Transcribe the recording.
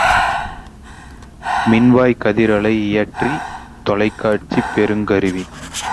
மின்வாய்க் கதிர் அலை இயற்றி, தொலைக்காட்சி பெறுங் கருவி.